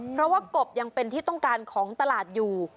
เพราะว่ากบยังเป็นที่ต้องการของตลาดอยู่